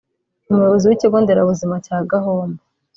umuyobozi w’ikigo nderabuzima cya Gahombo